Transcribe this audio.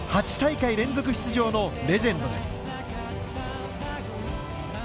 ８大会連続出場のレジェンドです。